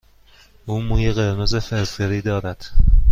او موی قرمز فرفری دارد.